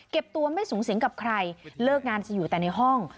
ตัวไม่สูงสิงกับใครเลิกงานจะอยู่แต่ในห้อง